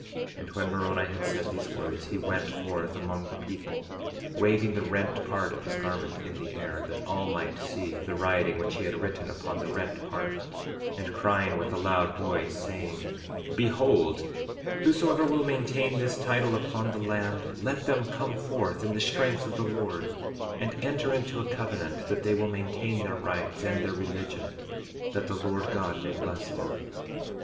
46:19 And when Moroni had said these words, he went forth among the people, waving the rent part of his garment in the air, that all might see the writing which he had written upon the rent part, and crying with a loud voice, saying: 46:20 Behold, whosoever will maintain this title upon the land, let them come forth in the strength of the Lord, and enter into a covenant that they will maintain their rights, and their religion, that the Lord God may bless them.